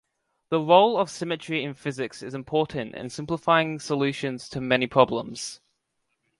The role of symmetry in physics is important in simplifying solutions to many problems.